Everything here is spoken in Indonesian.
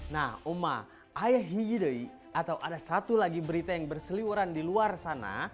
nah umah ada satu lagi berita yang berseliuran di luar sana